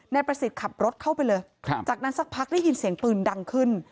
นายประสิทธิ์ขับรถเข้าไปเลยจากนั้นสักพักได้ยินเสียงปืนดังขึ้น